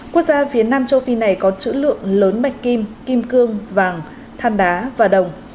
quốc gia phía nam châu phi này có chữ lượng lớn bạch kim kim cương vàng than đá và đồng